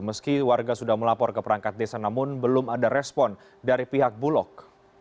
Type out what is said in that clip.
meski warga sudah melapor ke perangkat desa namun belum ada respon dari pihak bulog